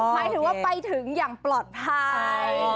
หมายถึงว่าไปถึงอย่างปลอดภัย